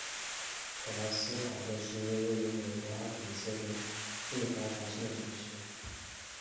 蒲莱斯考特是一个位于美国阿肯色州内华达县的城市。